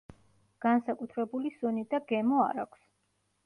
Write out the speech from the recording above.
განსაკუთრებული სუნი და გემო არა ქვს.